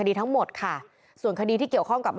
พตรพูดถึงเรื่องนี้ยังไงลองฟังกันหน่อยค่ะ